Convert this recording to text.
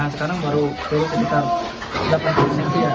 sekarang baru sekitar delapan meter